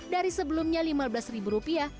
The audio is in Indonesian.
dari sebelumnya lima belas ribu rupiah